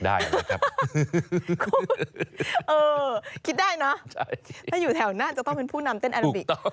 ดีชักก้อยู่หน้านะตอนเด็ก